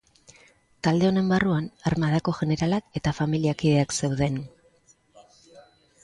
Talde honen barruan armadako jeneralak eta familia kideak zeuden.